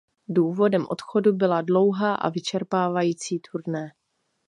Důvodem odchodu byla dlouhá a vyčerpávající turné.